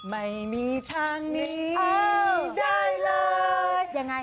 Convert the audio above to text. ไม่มีทางหนีได้เลย